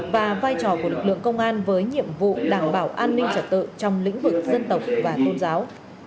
và vai trò của lực lượng công an với nhiệm vụ đảm bảo an ninh trật tự trong lĩnh vực dân tộc và tôn giáo